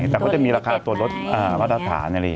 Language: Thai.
แต่คุณจะมีราคาตัวลดวัสดาษี